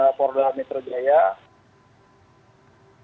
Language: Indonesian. jadi memang kemarin kami di sejarah subdit harda